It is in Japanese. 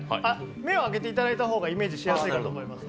目を開けていただいた方がイメージしやすいと思います。